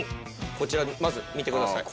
こちらまず見てください。